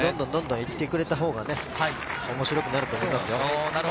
どんどん行ってくれたほうが、面白くなると思いますよ。